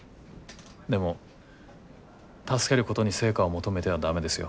でも助けることに成果を求めては駄目ですよ。